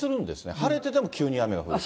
晴れてても急に雨が降ると。